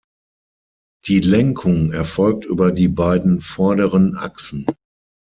Die Lenkung erfolgt über die beiden vorderen Achsen.